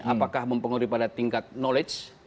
apakah mempengaruhi pada tingkat knowledge